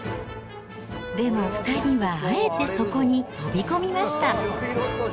でも２人はあえてそこに飛び込みました。